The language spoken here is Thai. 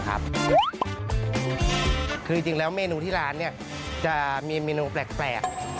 คือจริงแล้วเมนูที่ร้านเนี่ยจะมีเมนูแปลก